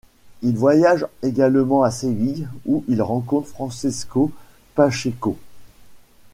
Il voyage également à Séville, où il rencontre Francisco Pacheco.